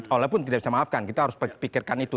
walaupun tidak bisa maafkan kita harus pikirkan itu